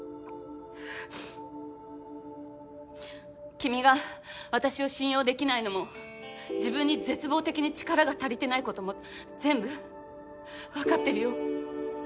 君が私を信用できないのも自分に絶望的に力が足りてないことも全部わかってるよ。